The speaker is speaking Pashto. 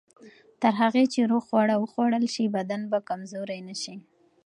تر هغه چې روغ خواړه وخوړل شي، بدن به کمزوری نه شي.